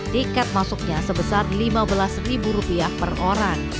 tiket masuknya sebesar lima belas ribu rupiah per orang